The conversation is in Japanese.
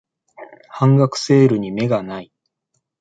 半額セールに目がない